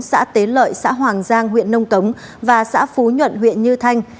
xã tế lợi xã hoàng giang huyện nông cống và xã phú nhuận huyện như thanh